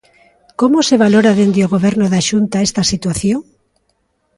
¿Como se valora dende o Goberno da Xunta esta situación?